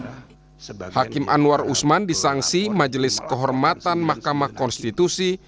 hakim anwar usman disangsi majelis kehormatan mahkamah konstitusi